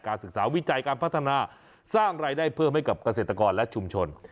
ศึกษาวิจัยการพัฒนาสร้างรายได้เพิ่มให้กับเกษตรกรและชุมชน